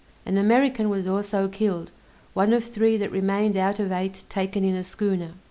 An American was also killed, one of three that remained out of eight taken in a schooner.